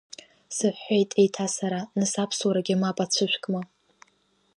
Сыҳәҳәеит еиҭа сара, нас аԥсуарагьы мап ацәышәкма?